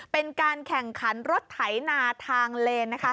เป็นการแข่งขันรถไถนาทางเลนนะคะ